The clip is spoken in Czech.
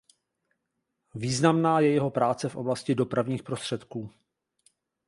Významná je jeho práce v oblasti dopravních prostředků.